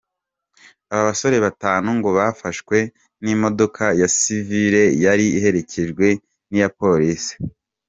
Aba basore batanu ngo bafashwe n’ imodoka ya sivile yari iherekejwe n’ iya polisi.